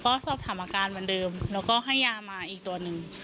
ก็สอบถามอาการเหมือนเดิมแล้วก็ให้ยามาอีกตัวหนึ่ง